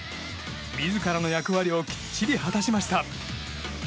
自らの役割をきっちり果たしました。